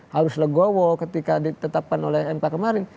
harus legowo ketika ditetapkan oleh mk kemarin